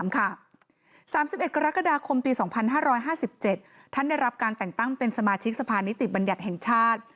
๓๑กรกฎาคมปี๒๕๕๗ท่านได้รับการแต่งตั้งเป็นสมาชิกสภานิติบัญญัติแห่งชาติ